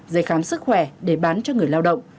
giấy khám sức khỏe để bán cho người lao động